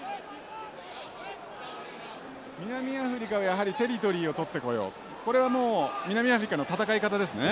南アフリカはやはりテリトリーを取ってこようと。これはもう南アフリカの戦い方ですね。